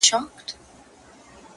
ستادی ;ستادی; ستادی فريادي گلي;